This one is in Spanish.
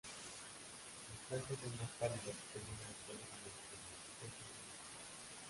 Los flancos son más pálidos, teniendo los pelos individuales ejes blancos.